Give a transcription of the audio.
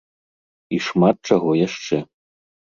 І шмат чаго яшчэ.